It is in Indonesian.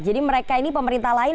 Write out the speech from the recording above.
jadi mereka ini pemerintah lain